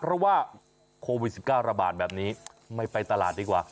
เพราะว่าโควิด๑๙ระบาดแบบนี้ไม่ไปตลาดดีกว่า